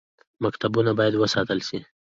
مکتبونه باید وساتل شي